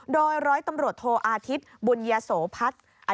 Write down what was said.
โดยร้อยตำรวจโทอาทิตย์บุญยโสพัฒน์